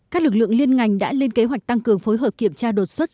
các lực lượng liên ngành đã lên kế hoạch tăng cường phối hợp kiểm tra đột xuất